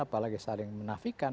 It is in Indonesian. apalagi saling menafikan